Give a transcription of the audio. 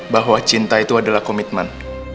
bahwa cinta itu adalah komitmen